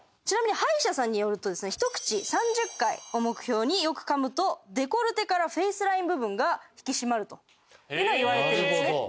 ちなみに歯医者さんによるとですねひと口３０回を目標によく噛むとデコルテからフェイスライン部分が引き締まるというのはいわれてるんですね。